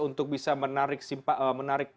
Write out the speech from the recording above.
untuk bisa menarik